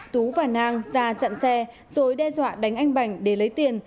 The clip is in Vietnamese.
tú và nang ra chặn xe rồi đe dọa đánh anh bành để lấy tiền